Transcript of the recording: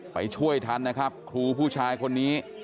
ไปช่วยทันนะครับครูผู้ชายคนนี้